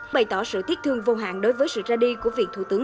bày tỏ sự tiếc thương vô hạn đối với sự ra đi của vị thủ tướng